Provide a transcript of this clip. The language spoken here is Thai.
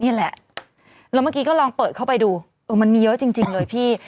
นี่แหละแล้วเมื่อกี้ก็ลองเปิดเข้าไปดูเออมันมีเยอะจริงเลยพี่